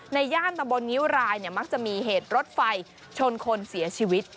ย่านตำบลงิ้วรายเนี่ยมักจะมีเหตุรถไฟชนคนเสียชีวิต